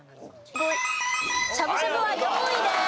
しゃぶしゃぶは４位です。